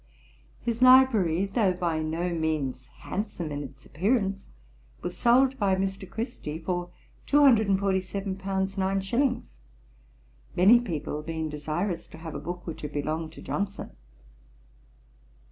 His library, though by no means handsome in its appearance, was sold by Mr. Christie, for two hundred and forty seven pounds, nine shillings [F 14]; many people being desirous to have a book which had belonged to Johnson.